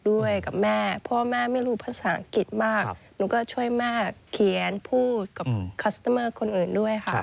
ด้วยกับแม่พ่อแม่ไม่รู้ภาษาอังกฤษมากหนูก็ช่วยแม่เขียนพูดกับคัสเตอร์เมอร์คนอื่นด้วยค่ะ